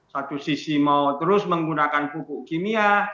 satu sisi mau terus menggunakan pupuk kimia